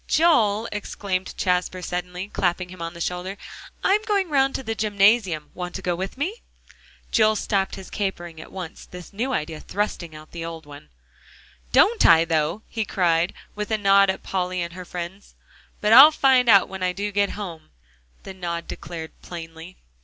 "Joel," exclaimed Jasper suddenly, clapping him on the shoulder, "I'm going round to the gymnasium; want to go with me?" Joel stopped his capering at once, this new idea thrusting out the old one. "Don't I, though!" he cried, with a nod at Polly and her friends. "But I'll find out when I do get home," the nod declared plainly.